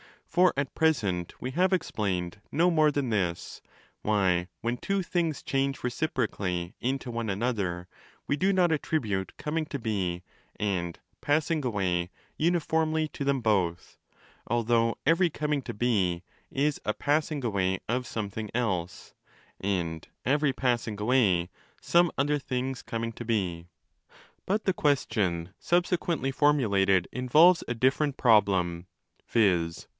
For at present we have explained no more than this:—why, 5 when two things change reciprocally into one another, we do not attribute coming to be and passing away uniformly to them both, although every coming to be is a passing away of something else and every passing away some other thing's coming to be. But the question subsequently formu lated involves a different problem—viz.